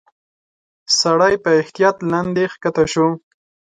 سړی په احتياط لاندي کښته شو.